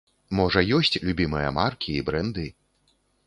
Можа, ёсць любімыя маркі і брэнды?